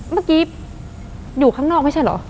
เมื่อกี้อยู่ข้างนอกไม่ใช่เหรอ